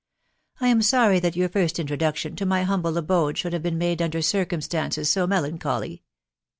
... I am sorry that your first introduction to my humble abode should have been made under circumstances so melancholy.